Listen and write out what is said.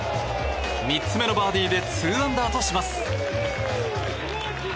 ３つ目のバーディーで２アンダーとします。